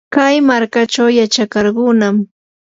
kay markachaw yachakarqunam.